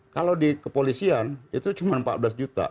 kalau di kepolisian itu cuma empat belas juta